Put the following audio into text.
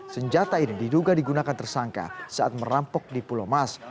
senjata ini diduga digunakan tersangka saat merampok di pulau mas